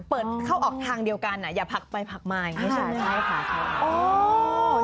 เปิดเข้าออกทางเดียวกันอ่ะอย่าผลักไปผักมาอย่างนี้ใช่ไหมใช่ค่ะ